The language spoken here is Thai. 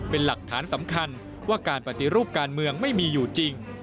เป็นหลักฐานสำคัญว่าการปฏิรูปการเมืองไม่มีอยู่จริง